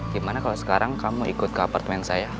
gimana kalau sekarang kamu ikut ke apartemen saya